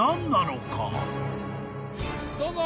どうぞ。